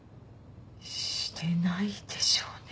してないでしょうね。